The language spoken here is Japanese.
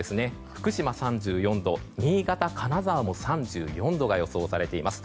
福島、３４度新潟、金沢も３４度が予想されています。